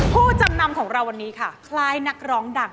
ผู้จำนำของเราวันนี้ค่ะคล้ายนักร้องดัง